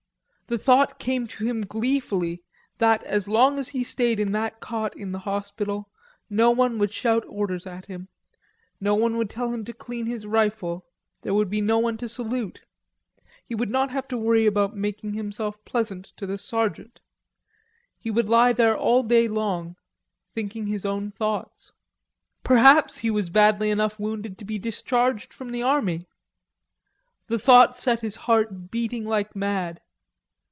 The thought came to him gleefully, that as long as he stayed in that cot in the hospital no one would shout orders at him. No one would tell him to clean his rifle. There would be no one to salute. He would not have to worry about making himself pleasant to the sergeant. He would lie there all day long, thinking his own thoughts. Perhaps he was badly enough wounded to be discharged from the army. The thought set his heart beating like mad.